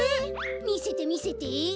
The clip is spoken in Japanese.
みせてみせて。